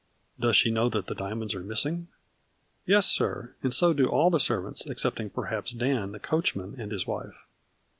" Does she know that the diamonds are miss " Yes, sir, and so do all the servants, except ting perhaps Dan, the coachman, and his wife."